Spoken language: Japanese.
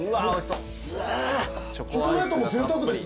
チョコレートもぜいたくですね。